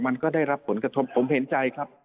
มันก็ได้รับผลกระทบผมเห็นใจครับ